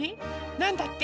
なんだって？